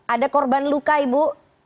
ada korban luka ibu